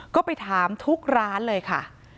ก็ไปถามทุกร้านเลยค่ะ